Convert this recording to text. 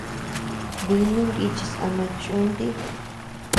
Dinu nichis ama chúntii.